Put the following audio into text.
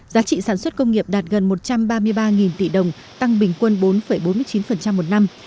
giá trị sản xuất công nghiệp đạt gần một trăm ba mươi ba tỷ đồng tăng bình quân bốn bốn mươi chín một năm